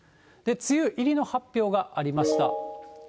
梅雨入りの発表がありました。